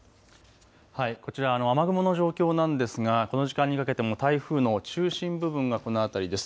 こちら、雨雲の状況なんですがこの時間にかけても台風の中心部分がこの辺りです。